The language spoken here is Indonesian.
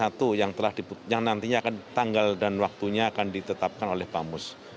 dan kemudian menunggu proses yang nantinya tanggal dan waktunya akan ditetapkan oleh bamus